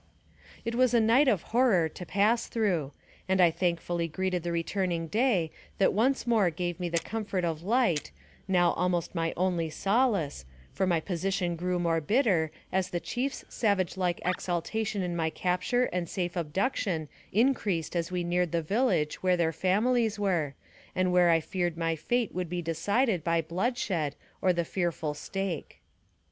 It was a night of horror to pass through, and I thankfully greeted the returning day, that once more gave me the comfort of light, now almost my only solace, for my position grew more bitter, as the chief's savage like exultation in my capture and safe abduc tian increased as we neared the village where their families were, and where I feared my fate would be decided by bloodshed or the fearful stake.